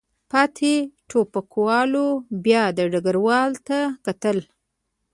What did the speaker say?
پاتې ټوپکوالو بیا ډګروال ته کتل.